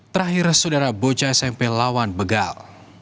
terakhir saudara bocah smp lawan begal